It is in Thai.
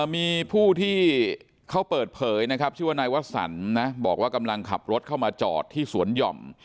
มีผู้ที่เขาเปิดเผยนะครับชื่อว่านายวสันนะบอกว่ากำลังขับรถเข้ามาจอดที่สวนหย่อม